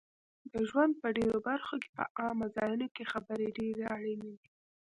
د ژوند په ډېرو برخو کې په عامه ځایونو کې خبرې ډېرې اړینې دي